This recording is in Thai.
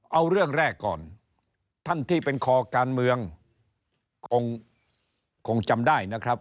เอาเรื่องแรกก่อนท่านที่เป็นคอการเมืองคงจำได้นะครับ